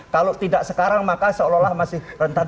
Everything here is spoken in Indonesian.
kalau tidak sekarang maka seolah olah masih rentan